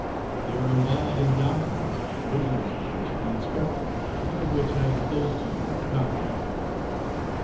They are embodied in documents, the originals of which I inspected, and of which I enclose to you copies.